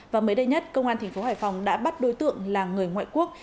và mới đây nhất công an tp hải phòng đã bắt đối tượng là người ngoại quốc